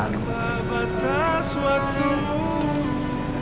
dalam masa lalu